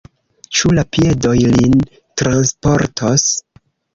Ĉu la piedoj lin transportos?